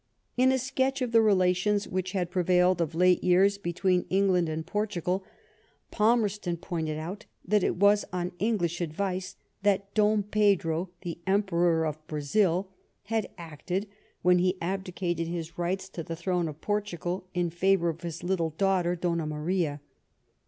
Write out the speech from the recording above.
In a sketch of the relations which had prevailed of late years between England and Portugal, Palmerston pointed out that it was on English advice that Dom Pedro, the Emperor of Brazil, had acted when he abdicated his rights to the throne of Portugal in favour of his little daughter^ Donna Maria.